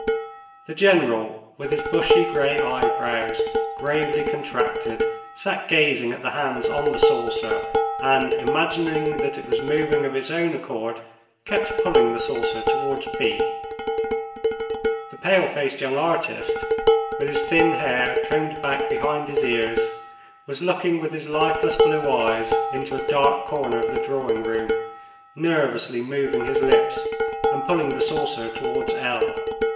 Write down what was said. The General, with his bushy grey eyebrows gravely contracted, sat gazing at the hands on the saucer, and, imagining that it was moving of its own accord, kept pulling the saucer towards b. The pale faced young artist, with his thin hair combed back behind his cars, was looking with his lifeless blue eyes into a dark corner of the drawing room, nervously moving his lips and pulling the saucer towards l.